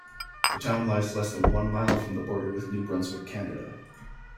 The town lies less than one mile from the border with New Brunswick, Canada.